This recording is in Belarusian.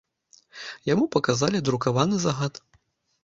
Яму паказалі друкаваны загад.